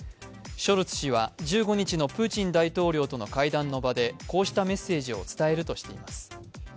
ショルツ氏は１５日のプーチン大統領との会談の場でこうしたメッセージを伝えるとしています。